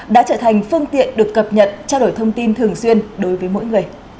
đã trở thành phương tiện được cập nhật trao đổi thông tin thường xuyên đối với mỗi người